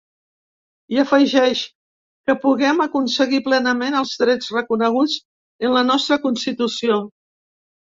I afegeix: Que puguem aconseguir plenament els drets reconeguts en la nostra constitució.